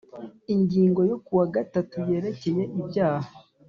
Ingingo yo ku wa gatatu yerekeye ibyaha